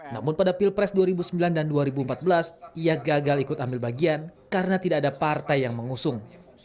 namun pada pilpres dua ribu sembilan dan dua ribu empat belas ia gagal ikut ambil bagian karena tidak ada partai yang mengusung